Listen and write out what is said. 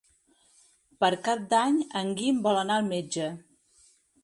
Per Cap d'Any en Guim vol anar al metge.